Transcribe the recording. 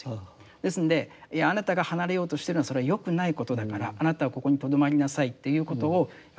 ですんであなたが離れようとしてるのはそれは良くないことだからあなたはここにとどまりなさいということをやはりしてはならない。